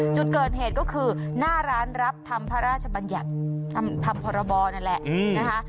จุดเกิดเหตุก็คือหน้าร้านรับทำพระราชบัญญัติทำพรบนั่นแหละนะคะ